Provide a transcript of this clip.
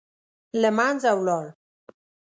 له منځه ولاړ.